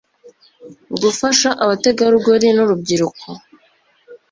gufasha abategarugori n urubyiruko